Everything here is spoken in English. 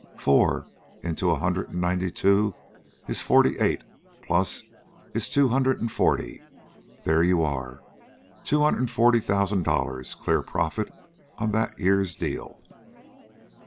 four into a hundred and ninety two is forty eight, plus, is two hundred and forty there you are, two hundred and forty thousand dollars clear profit on that year's deal."